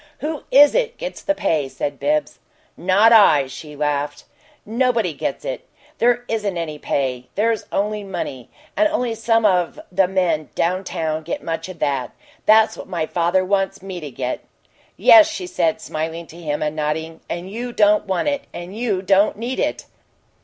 "Who is it gets the pay?" said Bibbs. "Not I!" she laughed. "Nobody gets it. There isn't any pay; there's only money. And only some of the men down town get much of that. That's what my father wants me to get." "Yes," she said, smiling to him, and nodding. "And you don't want it, and you don't need it."